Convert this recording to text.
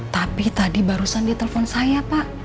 tapi tadi barusan dia telpon saya pak